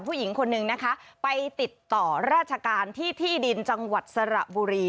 ผู้หญิงคนนึงนะคะไปติดต่อราชการที่ที่ดินจังหวัดสระบุรี